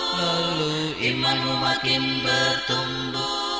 lalu imanmu makin bertumbuh